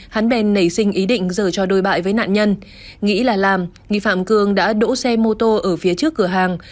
hắn bèn nảy sinh ý định dở cho đôi bại với nạn nhân nghĩ là làm nghi phạm cường đã đỗ xe mô tô ở phía trước cửa hàng